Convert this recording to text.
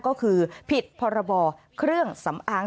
ก็คือผิดพรบเครื่องสำอาง